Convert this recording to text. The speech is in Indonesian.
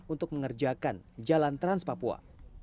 untuk mengerjakan jalan trans papua